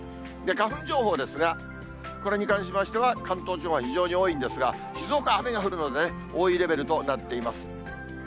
花粉情報ですが、これに関しましては、関東地方は非常に多いんですが、静岡は雨が降るのでね、多いレベルとなっています。